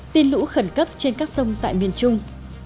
tin lũ khẩn cấp trên các sông tại miền trung